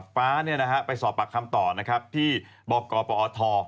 ฟ้าไปสอบปากคำต่อที่บกปท